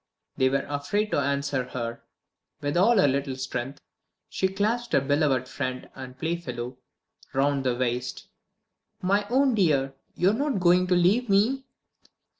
They were afraid to answer her. With all her little strength, she clasped her beloved friend and play fellow round the waist. "My own dear, you're not going to leave me!"